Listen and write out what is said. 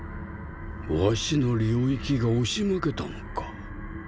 わしの領域が押し負けたのか？